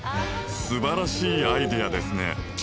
素晴らしいアイデアですね。